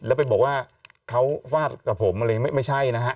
แล้วไปบอกว่าเขาฟาดกับผมไม่ใช่นะครับ